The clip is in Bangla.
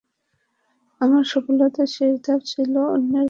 আমার সফলতার শেষ ধাপ ছিল অন্যের ভালো ছেড়ে নিজের ভালোর চিন্তা করা।